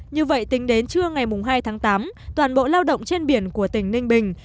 như vậy tính đến trưa ngày hai tháng tám toàn bộ lao động trên biển của tỉnh ninh bình